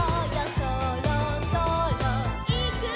「そろそろいくよ」